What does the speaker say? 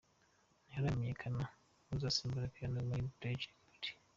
Ntiharamenyekana uzasimbura Piano muri Bridge Records.